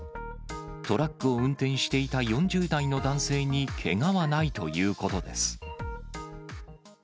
トラックを運転していた４０代の男性にけがはないということです。